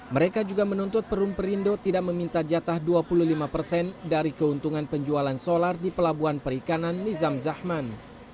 mereka juga menuntut perum perindo tidak meminta jatah dua puluh lima persen dari keuntungan penjualan solar di pelabuhan perikanan nizam zahman